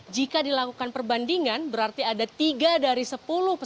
jika dilakukan perbandingan berarti ada tiga dari sepuluh peserta